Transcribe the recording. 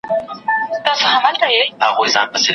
دواړه د داسي ځوانانو دي چي زه یې له شعری استعداد سره مینه لرم.